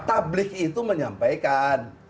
takbik itu menyampaikan